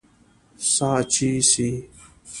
سا چې سي